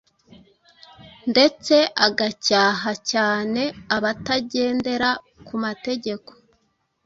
ndetse agacyaha cyane abatagendera ku mategeko